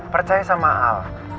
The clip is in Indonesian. percaya sama al